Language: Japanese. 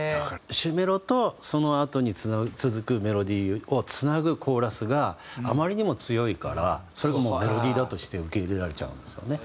主メロとそのあとに続くメロディーをつなぐコーラスがあまりにも強いからそれがもうメロディーだとして受け入れられちゃうんですよね。